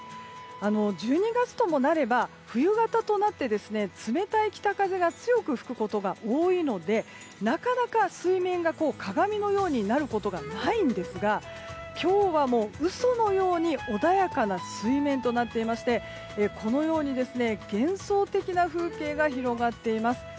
１２月ともなれば冬型となって冷たい北風が強く吹くことが多いのでなかなか、水面が鏡のようになることがないんですが今日は嘘のように穏やかな水面となっていましてこのように幻想的な風景が広がっています。